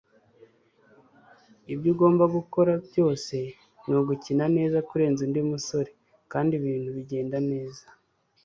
Ibyo ugomba gukora byose ni ugukina neza kurenza undi musore kandi ibintu bigenda neza.